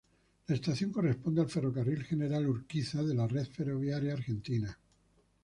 La estación corresponde al Ferrocarril General Urquiza de la red ferroviaria argentina.